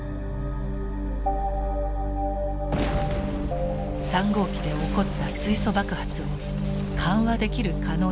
３号機で起こった水素爆発を緩和できる可能性があったのです。